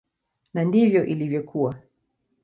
Na ndivyo ilivyokuwa.